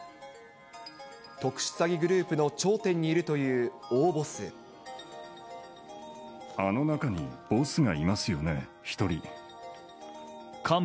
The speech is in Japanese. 特殊詐欺グループの頂点にいあの中にボスがいますよね、１人。